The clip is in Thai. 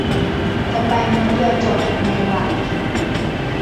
จะไปม้วนเดียวจบยังไงไหว